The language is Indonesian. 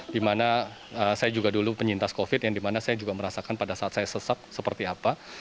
di mana saya juga dulu penyintas covid yang di mana saya juga merasakan pada saat saya sesak seperti apa